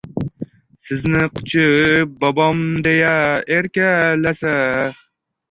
Sizni quchib bobom deya erkalasa –